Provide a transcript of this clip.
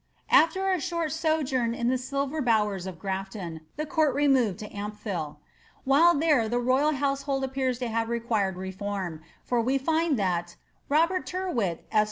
Ailer a short sojourn in the silver bowers of Grafton, the court re* moved to Ampthill. While there the royal household appears to have required reform, for we find that ^^ Robert Tyrwit, esq.